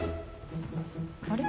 あれ？